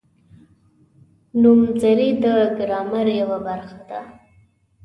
نومځري د ګرامر یوه برخه ده.